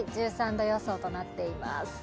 １３度予想になっています。